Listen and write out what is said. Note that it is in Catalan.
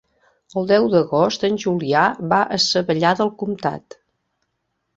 El deu d'agost en Julià va a Savallà del Comtat.